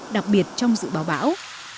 đặc biệt trong dự báo báo